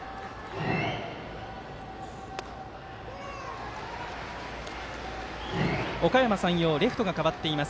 おかやま山陽レフトが代わっています。